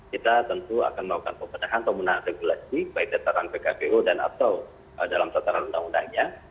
kita tentu akan melakukan pembenahan pemenahan regulasi baik tataran pkpu dan atau dalam tataran undang undangnya